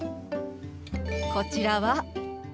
こちらは。